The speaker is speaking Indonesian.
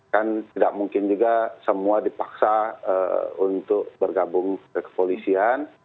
kan tidak mungkin juga semua dipaksa untuk bergabung ke kepolisian